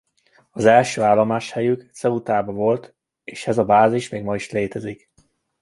Az első állomáshelyük Ceutában volt és ez a bázis még ma is létezik.